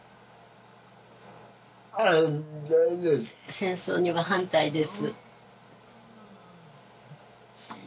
「戦争には反対です」